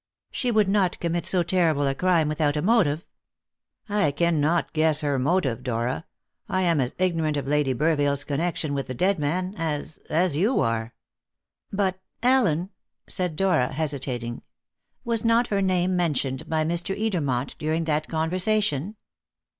"She would not commit so terrible a crime without a motive." "I cannot guess her motive, Dora. I am as ignorant of Lady Burville's connection with the dead man as as you are." "But, Allen," said Dora, hesitating, "was not her name mentioned by Mr. Edermont during that conversation?"